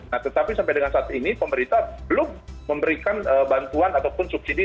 nah tetapi sampai dengan saat ini pemerintah belum memberikan bantuan ataupun subsidi